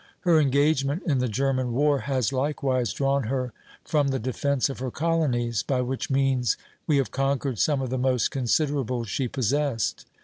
Her engagement in the German war has likewise drawn her from the defence of her colonies, by which means we have conquered some of the most considerable she possessed.